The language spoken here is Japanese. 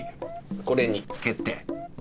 これに決定。